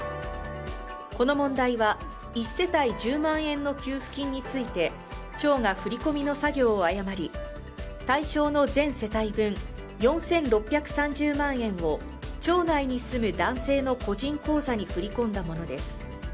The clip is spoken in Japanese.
この問題は１世代１０万円の給付金について、町が振り込みの作業を誤り対象の全世帯分４６３０万円を町内に住む男性の個人口座に個人口座に振り込んだものです。